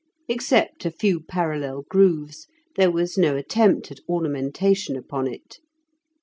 Except a few parallel grooves, there was no attempt at ornamentation upon it.